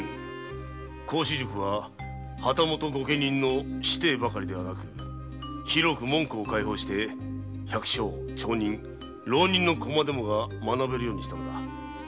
孔子塾は旗本御家人の子弟だけではなく広く門戸を開放して百姓町人浪人の子まで学べるようにしたのだ。